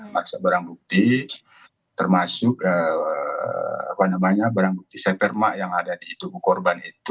maksa barang bukti termasuk barang bukti setermak yang ada di tubuh korban itu